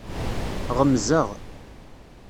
Ɣemzeɣ.